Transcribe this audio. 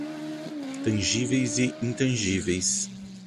tangíveis e intangíveis